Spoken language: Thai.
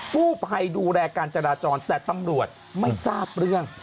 ผู้ภัยดูแลการจราจรแต่ตำรวจไม่ทราบเรื่อง